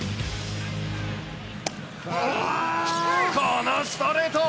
このストレート。